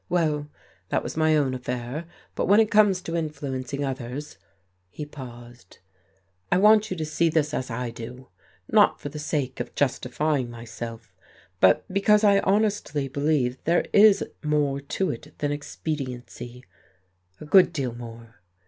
Well, that was my own affair, but when it comes to influencing others " He paused. "I want you to see this as I do, not for the sake of justifying myself, but because I honestly believe there is more to it than expediency, a good deal more.